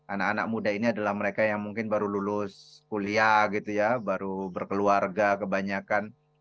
anak anak muda ini adalah mereka yang mungkin baru lulus kuliah gitu ya baru berkeluarga kebanyakan